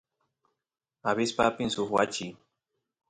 abispa apin suk wachi